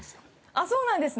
◆あ、そうなんですね。